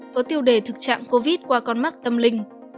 có tiêu đề thực trạng covid qua con mắt tâm linh